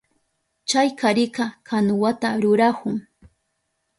Chay karika kanuwata rurahun.